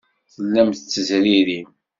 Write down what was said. Tellam tettezririm.